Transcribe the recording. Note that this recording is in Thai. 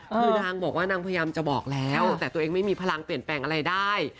คือนางบอกว่านางพยายามจะบอกแล้วแต่ตัวเองไม่มีพลังเปลี่ยนแปลงอะไรได้